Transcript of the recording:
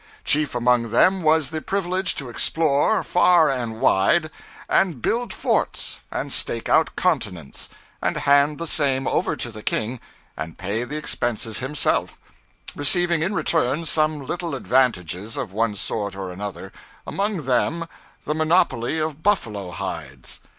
Chief among them was the privilege to explore, far and wide, and build forts, and stake out continents, and hand the same over to the king, and pay the expenses himself; receiving, in return, some little advantages of one sort or another; among them the monopoly of buffalo hides.